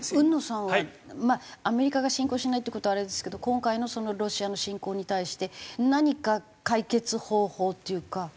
海野さんはアメリカが進攻しないって事はあれですけど今回のロシアの侵攻に対して何か解決方法というか。